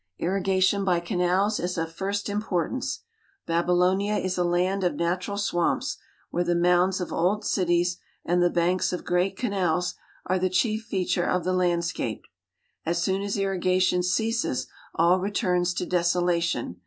Irrigation by canals is of first importance. Babylonia is a land of natural swamps, where the mounds of old cities and the banks of great canals are the chief feature of the landscape. As soon as irrigation ceases all returns to desolation.